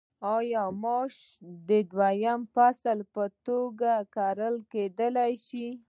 آیا ماش د دویم فصل په توګه کرل کیدی شي؟